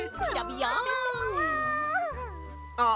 あっ